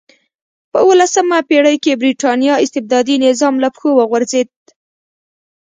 په اولسمه پېړۍ کې برېټانیا استبدادي نظام له پښو وغورځېد.